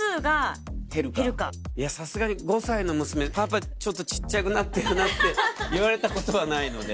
さすがに５歳の娘「パパちょっと小っちゃくなってるな」って言われたことはないので。